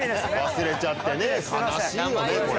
忘れちゃってね悲しいよねこれ。